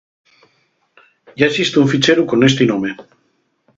Yá esiste un ficheru con esti nome.